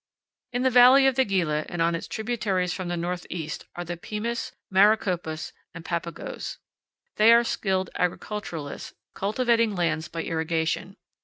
In the valley of the Gila and on its tributaries from the northeast are the Pimas, Maricopas, and Papagos. They are skilled agriculturists, cultivating lands by irrigation.